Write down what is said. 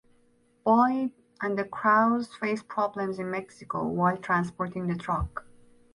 Boyd and the Crowes face problems in Mexico while transporting the truck.